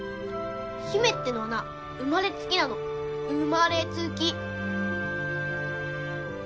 姫ってのはな生まれつきなのううっ。